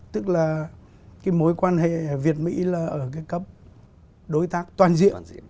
tức là cái mối quan hệ việt mỹ là ở cái cấp đối tác toàn diện